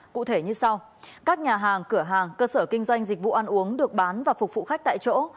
cụ thể như sau các nhà hàng cửa hàng cơ sở kinh doanh dịch vụ ăn uống được bán và phục vụ khách tại chỗ